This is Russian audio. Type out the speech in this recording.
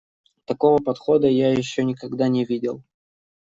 Такого подхода я ещё никогда не видел.